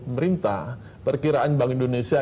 pemerintah perkiraan bank indonesia